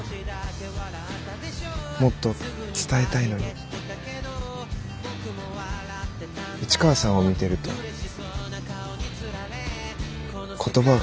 もっと伝えたいのに市川さんを見てると言葉が出てこない。